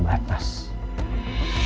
saya hanya merasakan cinta sejati itu